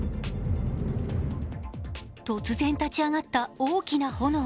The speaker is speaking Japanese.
突然、立ち上がった大きな炎。